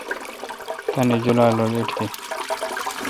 تانی جولال ایٹھی۔